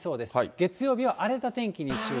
月曜日は荒れた天気に注意。